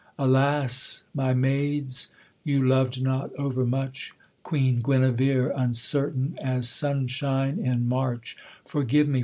Alas, my maids, you loved not overmuch Queen Guenevere, uncertain as sunshine In March; forgive me!